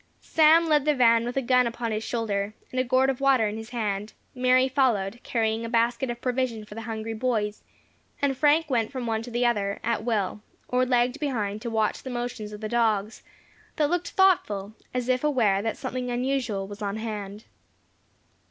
Sam led the van with a gun upon his shoulder, and a gourd of water in his hand. Mary followed, carrying a basket of provision for the hungry boys, and Frank went from one to the other, at will, or lagged behind to watch the motions of the dogs, that looked thoughtful, as if aware that something unusual was on hand.